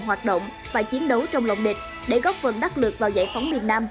hoạt động và chiến đấu trong lòng địch để góp phần đắc lược vào giải phóng miền nam